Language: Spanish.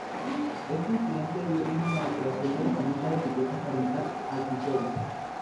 Este incidente dio origen a la creación de las famosas etiquetas "Parental Advisory".